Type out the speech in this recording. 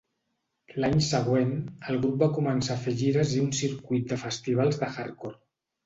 L'any següent, el grup va començar a fer gires i un circuit de festivals de hardcore.